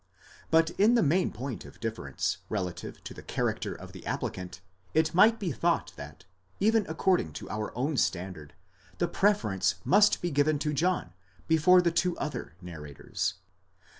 But in the main point of difference, relative to the character of the applicant, it might be thought that, even according to our own standard, the preference must be given to John before the two other narrators.